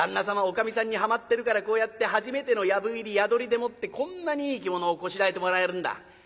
様おかみさんにはまってるからこうやって初めての藪入り宿りでもってこんなにいい着物をこしらえてもらえるんだ。